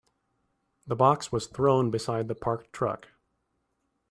The box was thrown beside the parked truck.